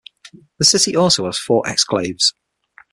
The city also has four exclaves.